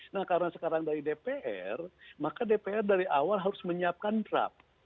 nah karena sekarang dari dpr maka dpr dari awal harus menyiapkan draft